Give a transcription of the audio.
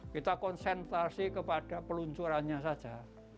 kita konsentrasi kepada peluncurannya saja